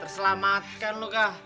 terselamatkan lo kak